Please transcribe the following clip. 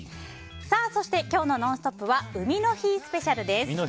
そして今日の「ノンストップ！」は海の日スペシャルです。